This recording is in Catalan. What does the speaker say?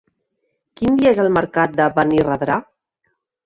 Quin dia és el mercat de Benirredrà?